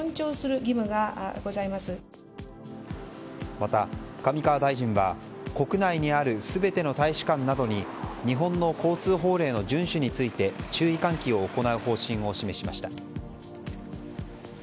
また、上川大臣は国内にある全ての大使館などに日本の交通法令の順守について注意喚起を行う方針を示しました。